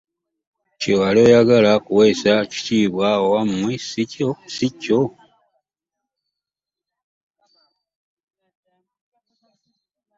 Kye wali oyagala kukuweesa kitiibwa wammwe si kyo?